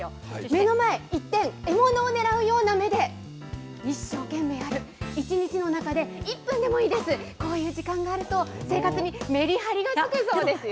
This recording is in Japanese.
目の前一点、獲物を狙うような目で、一生懸命やる、一日の中で１分でもいいです、こういう時間があると、生活にめりはりがつくそうですよ。